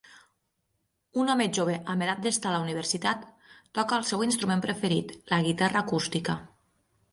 Un home jove amb edat d'estar a la universitat toca el seu instrument preferit: la guitarra acústica.